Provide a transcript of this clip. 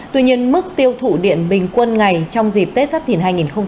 tuy nhiên mức tiêu thụ điện bình quân ngày trong dịp tết giáp thìn hai nghìn hai mươi bốn